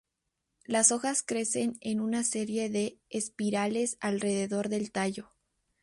Las hojas crecen en una serie de espirales alrededor del tallo.